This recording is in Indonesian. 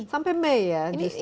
sampai mei ya justru